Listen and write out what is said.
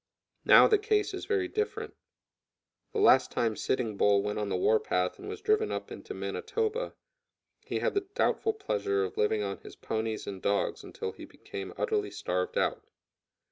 Now, the case is very different. The last time Sitting Bull went on the war path and was driven up into Manitoba, he had the doubtful pleasure of living on his ponies and dogs until he became utterly starved out.